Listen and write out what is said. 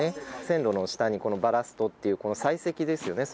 線路の下にこのバラストっていうこの砕石ですよね